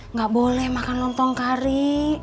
nggak boleh makan lontong kari